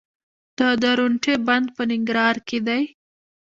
د درونټې بند په ننګرهار کې دی